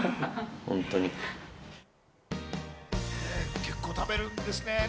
結構食べるんですね。